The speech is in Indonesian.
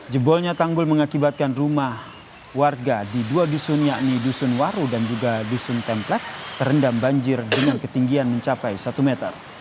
jebolnya tanggul mengakibatkan rumah warga di dua dusun yakni dusun waru dan juga dusun templek terendam banjir dengan ketinggian mencapai satu meter